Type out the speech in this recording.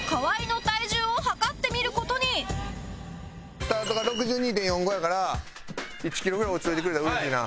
スタートが６２．４５やから１キロぐらい落ちといてくれたらうれしいな。